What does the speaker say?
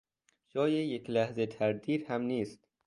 جای یک لحظه تردید هم نیست